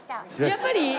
やっぱり？